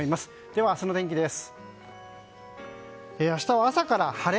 では、明日の天気です。